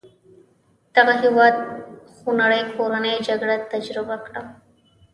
دغه هېواد خونړۍ کورنۍ جګړه تجربه کړه.